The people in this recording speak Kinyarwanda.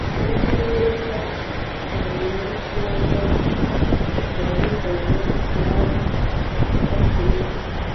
kuba myiza kabone n'ubwo uwabikoze yaba atakiriho